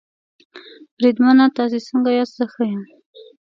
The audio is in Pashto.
بریدمنه تاسې څنګه یاست؟ زه ښه یم.